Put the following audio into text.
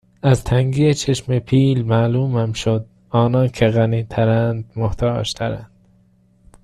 از تنگی چشم پیل معلومم شد آنان که غنی ترند محتاج ترند